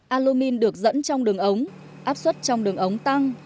alumin được dẫn trong đường ống áp suất trong đường ống tăng